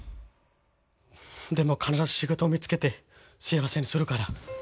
でも必ず仕事見つけて幸せにするから。